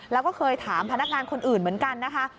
แล้วก็เคยถามพนักงานคนอื่นเหมือนกันนะคะ